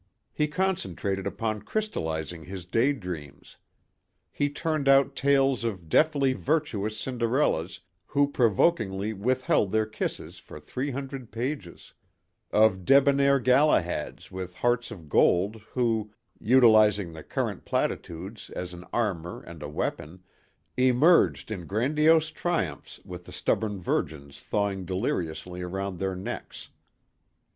He concentrated upon crystalizing his day dreams. He turned out tales of deftly virtuous Cinderellas who provokingly withheld their kisses for three hundred pages; of débonnaire Galahads with hearts of gold who, utilizing the current platitudes as an armor and a weapon, emerged in grandiose triumphs with the stubborn virgins thawing deliriously around their necks.